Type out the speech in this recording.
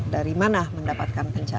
dari mana mendapatkan pencapaian